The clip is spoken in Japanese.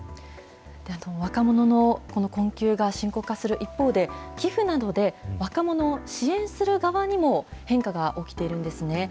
若者の困窮が深刻化する一方で、寄付などで若者を支援する側にも変化が起きているんですね。